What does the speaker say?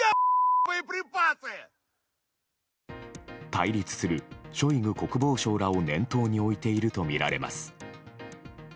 対立するショイグ国防相らを念頭に置いているとみられます。